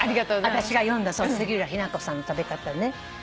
私が読んだ杉浦日向子さんの食べ方ね。